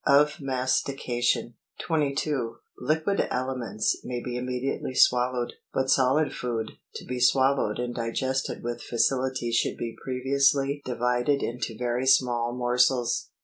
OF MASTICATION. 22. Liquid aliments may be immediately swallowed ; but solid food to be swallowed and digested with facility should be previous ly divided into very small morsels.